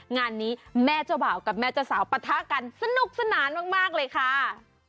งานนี้แม่เจ้าบ่าวกับแม่เจ้าสาวปะทะกันสนุกสนานมากเลยค่ะ